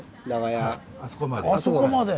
あそこまで。